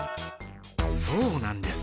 そうなんです。